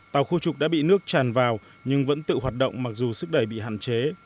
tàu khu trục đã bị nước tràn vào nhưng vẫn tự hoạt động mặc dù sức đẩy bị hạn chế